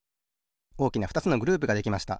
おおきなふたつのグループができました。